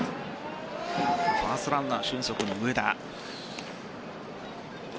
ファーストランナー、俊足・植田。